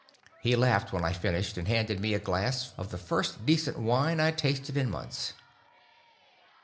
He laughed when I finished, and handed me a glass of the first decent wine I'd tasted in months.